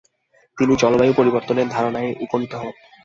তিনি জলবায়ু পরিবর্তনের ধারণায় উপনীত হন।